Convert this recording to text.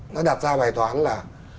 nó đặt ra bài toán là